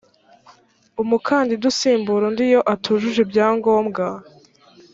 umukandida usimbura undi iyo atujuje ibyangombwa